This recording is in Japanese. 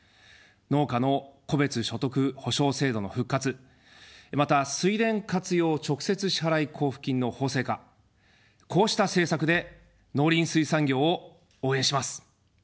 農家の戸別所得補償制度の復活、また、水田活用直接支払交付金の法制化、こうした政策で農林水産業を応援します。